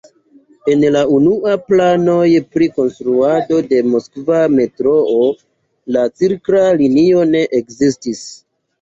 En la unuaj planoj pri konstruado de Moskva metroo la cirkla linio ne ekzistis.